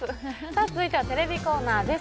続いてはテレビコーナーです。